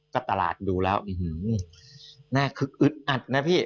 ก็ตลาดดูแล้วน่าคึกอึดอัดนะพี่